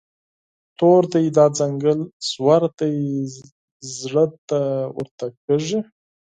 تور دی، دا ځنګل ژور دی، زړه دې ورته کیږي